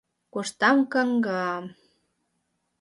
Коштам каҥга...